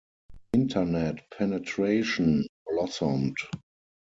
Internet penetration blossomed.